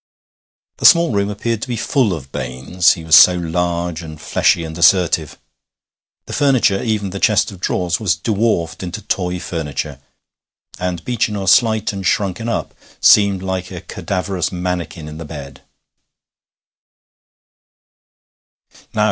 The small room appeared to be full of Baines he was so large and fleshy and assertive. The furniture, even the chest of drawers, was dwarfed into toy furniture, and Beechinor, slight and shrunken up, seemed like a cadaverous manikin in the bed.